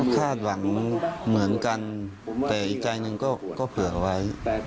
คาดหวังเหมือนกันแต่อีกใจหนึ่งก็เผื่อไว้